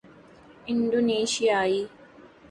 انڈونیثیائی